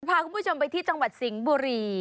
พาคุณผู้ชมไปที่จังหวัดสิงห์บุรี